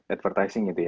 advertising gitu ya